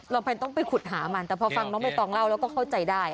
เรามันต้องไปขุดหามันแต่พอฟังมันมาบัยต้องเล่าเราก็เข้าใจได้